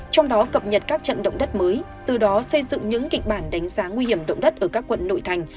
trong đó cập nhật các trận động đất mới từ đó xây dựng những kịch bản đánh giá nguy hiểm động đất ở các quận nội thành